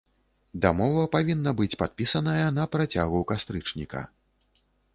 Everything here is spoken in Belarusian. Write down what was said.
Дамова павінна быць падпісаная на працягу кастрычніка.